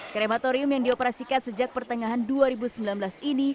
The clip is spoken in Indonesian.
krematorium yang dioperasikan sejak pertengahan dua ribu sembilan belas ini